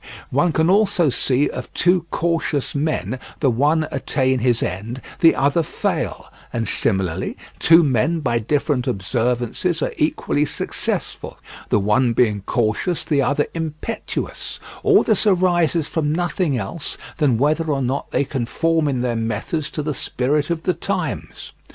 One can also see of two cautious men the one attain his end, the other fail; and similarly, two men by different observances are equally successful, the one being cautious, the other impetuous; all this arises from nothing else than whether or not they conform in their methods to the spirit of the times.